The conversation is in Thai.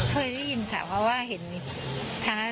คุณเคยได้ยินเรื่องประเด็นนี้บ้างมั้ย